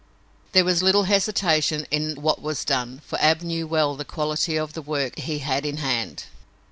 There was little hesitation in what was done, for Ab knew well the quality of the work he had in hand.